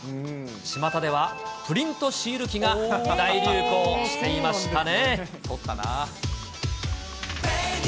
ちまたではプリントシール機が大流行していましたね。